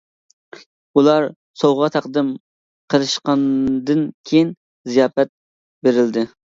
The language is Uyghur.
ئۇلار سوۋغا تەقدىم قىلىشقاندىن كېيىن زىياپەت بېرىلدى.